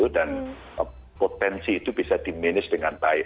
dan potensi itu bisa diminis dengan baik